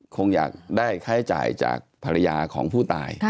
คงอยากได้ค่าใช้จ่ายจากภรรยาของผู้ตาย